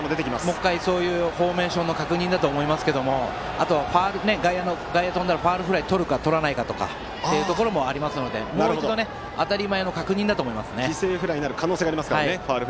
もう１回フォーメーションの確認だと思いますし、外野に飛んだらファウルフライをとるかとらないかもあるのでもう一度当たり前の確認だと思います。